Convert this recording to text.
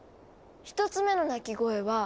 １つ目の鳴き声は。